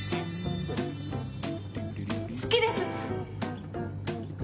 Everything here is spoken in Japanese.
好きです。